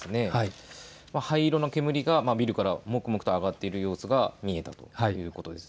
灰色の煙がビルからもくもくと上がっている様子が見えたということです。